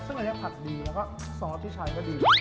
ซึ่งอันนี้ผัดดีซ้อนที่ใช้ก็ดี